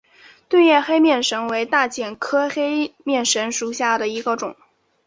钝叶黑面神为大戟科黑面神属下的一个种。